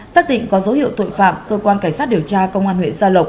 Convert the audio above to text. xác định có dấu hiệu tội phạm cơ quan cảnh sát điều tra công an huyện gia lộc